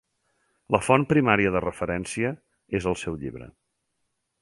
La font primària de referència és el seu llibre.